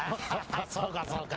そうかそうか。